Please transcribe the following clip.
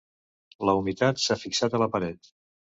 La humitat s'ha fixat a la paret.